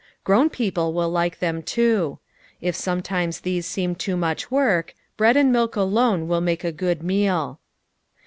Grown people will like them, too. If sometimes these seem too much work, bread and milk alone will make a good meal.